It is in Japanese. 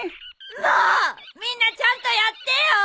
もおみんなちゃんとやってよ。